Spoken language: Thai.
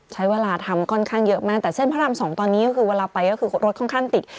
ใช้เวลาทำค่อนข้างเยอะมากแต่เส้นพระรามสองตอนนี้ก็คือเวลาไปก็คือรถค่อนข้างติด